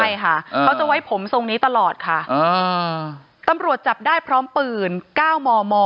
ใช่ค่ะเขาจะไว้ผมทรงนี้ตลอดค่ะอ่าตำรวจจับได้พร้อมปืน๙มม